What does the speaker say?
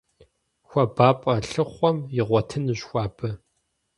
ХуабапӀэ лъыхъуэм игъуэтынущ хуабэ.